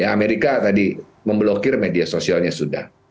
amerika tadi memblokir media sosialnya sudah